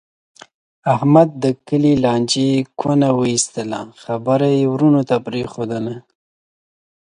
احمد د کلي له لانجې کونه و ایستله. خبره یې ورڼو ته پرېښودله.